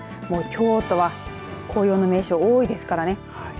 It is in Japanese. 京都は紅葉の名所が多いですからね。